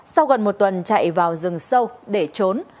sau gần một tuần chạy vào rừng sâu để trốn